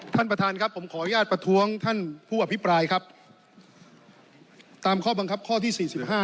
ท่านประธานครับผมขออนุญาตประท้วงท่านผู้อภิปรายครับตามข้อบังคับข้อที่สี่สิบห้า